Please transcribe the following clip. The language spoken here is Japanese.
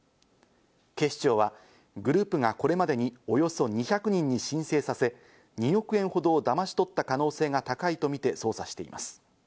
警視庁はグループがこれまでにおよそ２００人に申請させ、２億円ほどをだまし取った可能性が高いとみて捜査しています。